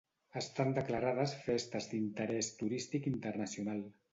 Estan declarades festes d'interès turístic internacional.